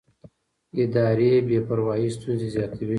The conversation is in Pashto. اداري بې پروایي ستونزې زیاتوي